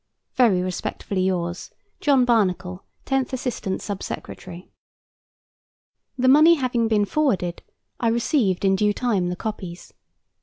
Very respectfully yours, JOHN BARNACLE, 10th Ass't Sub Secretary. The money having been forwarded, I received in due time the copies.